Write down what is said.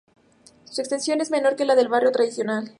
Su extensión es menor que la del barrio tradicional.